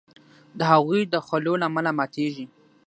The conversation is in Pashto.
د هغوی د خولو له امله ماتیږي.